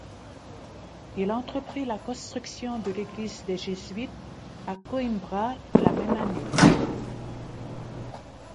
Il a entrepris la construction de l'église des jésuites, à Coimbra, la même année.